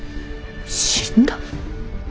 死んだ！？